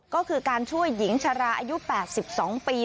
ก็คือการช่วยหญิงชราอายุ๘๒ปี